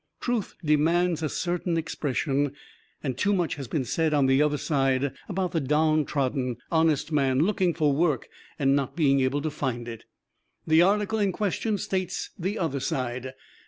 Truth demands a certain expression, and too much had been said on the other side about the downtrodden, honest man, looking for work and not being able to find it. The article in question states the other side.